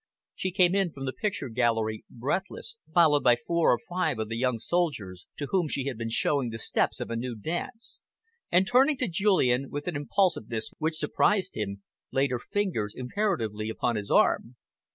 She came in from the picture gallery, breathless, followed by four or five of the young soldiers, to whom she had been showing the steps of a new dance, and, turning to Julian with an impulsiveness which surprised him, laid her fingers imperatively upon his arm.